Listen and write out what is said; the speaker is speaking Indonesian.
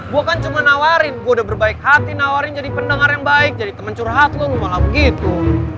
gue kan cuma nawarin gue udah berbaik hati nawarin jadi pendengar yang baik jadi teman curhat lu malah begitu